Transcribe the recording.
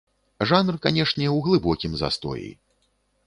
Жанр, канешне, у глыбокім застоі.